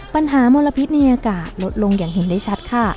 มลพิษในอากาศลดลงอย่างเห็นได้ชัดค่ะ